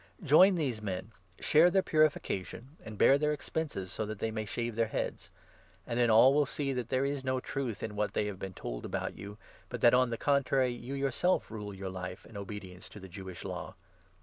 Join these men, 24 share their purification, and bear their expenses, so that they may shave their heads ; and then all will see that there is no truth in what they have been told about you, but that, on the contrary, you yourself rule your life in obedience to the Jewish Law.